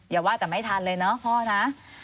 อย่าว่าแต่ไม่ทันเลยเนาะพ่อนะ